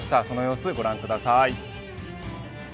その様子、ご覧ください。